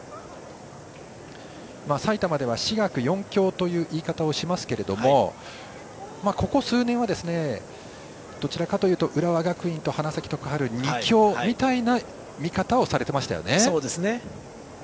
埼玉では私学四強という言い方をしますけどもここ数年は、どちらかというと浦和学院と花咲徳栄の二強みたいな見方をされていましたよね。